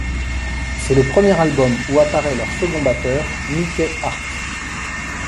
C'est le premier album où apparaît leur second batteur Mickey Hart.